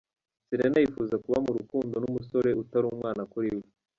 Selena Gomez yifuza kuba mu rukundo n'umusore utari umwana kuri we.